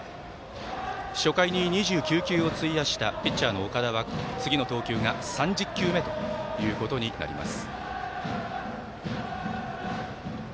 初回に２９球を費やしたピッチャーの岡田は次の投球が３０球目となります。